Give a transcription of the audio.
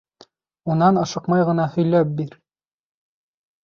Унан ашыҡмай ғына һөйләп бир.